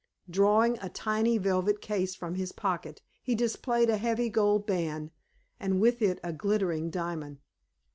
Drawing a tiny velvet case from his pocket he displayed a heavy gold band, and with it a glittering diamond.